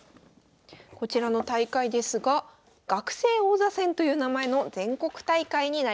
こちらの大会ですが「学生王座戦」という名前の全国大会になります。